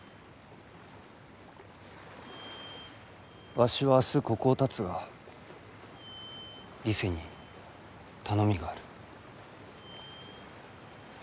わしは明日ここをたつがリセに頼みがある。